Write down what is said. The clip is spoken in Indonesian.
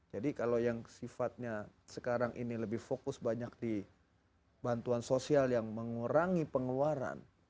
jadi kalau yang sifatnya sekarang ini lebih fokus banyak di bantuan sosial yang mengurangi pengeluaran